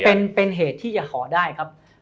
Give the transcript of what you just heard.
เป็นเหตุที่จะขอได้ครับ